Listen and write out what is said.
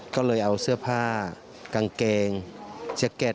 ก็เลยเอาเสื้อผ้ากางเกงแจ็คเก็ต